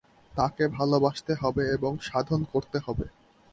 তাঁকে ভালবাসতে হবে এবং সাধন করতে হবে।